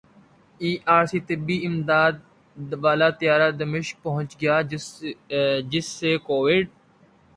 ای R C طبی امداد والا طیارہ دمشق پہنچ گیا جس سے کوویڈ